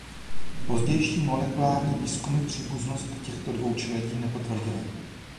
Pozdější molekulární výzkumy příbuznost těchto dvou čeledí nepotvrdily.